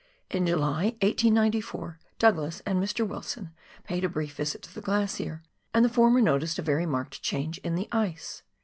In July, 1894, Douglas and Mr. Wilson paid a brief visit to the glacier, and the former noticed a very marked change in the ice.